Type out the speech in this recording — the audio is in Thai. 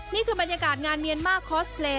นี่คือบรรยากาศงานเมียนมาร์คอสเพลย์